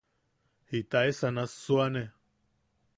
¿Jitaesa nassuane?